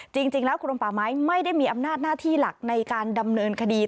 จริงแล้วกรมป่าไม้ไม่ได้มีอำนาจหน้าที่หลักในการดำเนินคดี